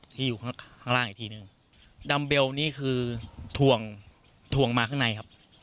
ที่อยู่ข้างข้างล่างอีกทีหนึ่งดำเบลนี่คือถ่วงถ่วงมาข้างในครับ